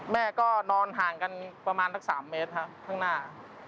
แม่ก็นอนห่างกันประมาณสัก๓เมตรครับข้างหน้า